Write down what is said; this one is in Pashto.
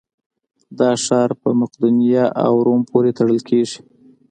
دا ښار په مقدونیه او روم پورې تړل کېږي.